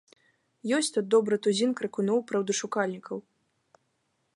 Ёсць тут добры тузін крыкуноў-праўдашукальнікаў.